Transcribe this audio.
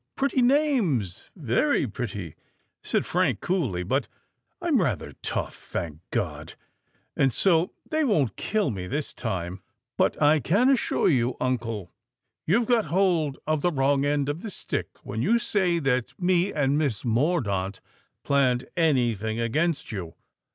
"Pretty names—very pretty," said Frank coolly; "but I'm rather tough, thank God! and so they won't kill me this time. But I can assure you, uncle, you've got hold of the wrong end of the stick when you say that me and Miss Mordaunt planned any thing against you.